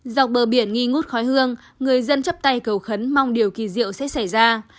dọc bờ biển nghi ngút khói hương người dân chấp tay cầu khấn mong điều kỳ diệu sẽ xảy ra